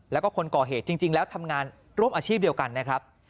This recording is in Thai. แล้วก็คนก่อเหตุจริงแล้วทำงานร่วมอาชีพเดียวกันนะครับ